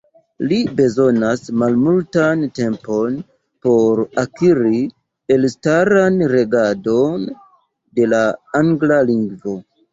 Li bezonis malmultan tempon por akiri elstaran regadon de la angla lingvo.